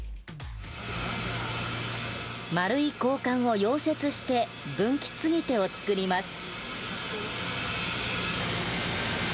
丸い鋼管を溶接して分岐継ぎ手を造ります。